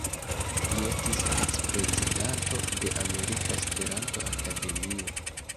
Li estis vic-prezidanto de Amerika Esperanto-Akademio.